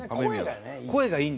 声がねいい。